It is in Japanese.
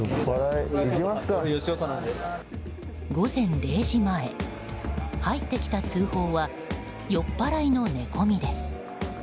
午前０時前、入ってきた通報は酔っ払いの寝込みです。